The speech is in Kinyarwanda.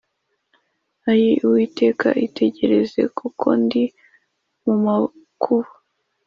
“Ayii Uwiteka, itegereze kuko ndi mu makuba,